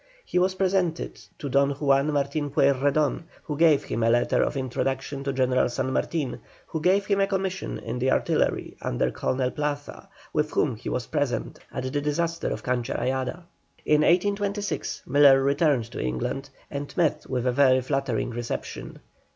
He was presented to Don Juan Martin Pueyrredon, who gave him a letter of introduction to General San Martin, who gave him a commission in the artillery under Colonel Plaza, with whom he was present at the disaster of Cancha Rayada. In 1826 Miller returned to England, and met with a very flattering reception.